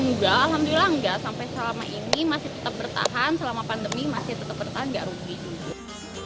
nggak alhamdulillah nggak sampai selama ini masih tetap bertahan selama pandemi masih tetap bertahan nggak rugi juga